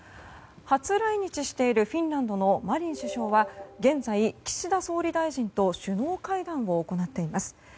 初来日しているフィンランドのマリン首相は現在岸田総理大臣と首脳会談を行っています。